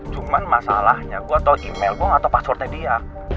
cuman masalahnya gue tau email gue gak tau passwordnya dia